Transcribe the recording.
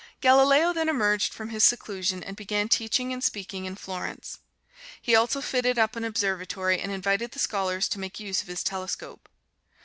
Galileo then emerged from his seclusion and began teaching and speaking in Florence. He also fitted up an observatory and invited the scholars to make use of his telescope.